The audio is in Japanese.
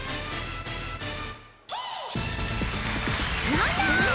なんだ？